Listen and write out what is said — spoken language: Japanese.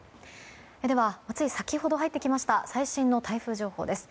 では、つい先ほど入ってきた最新の台風情報です。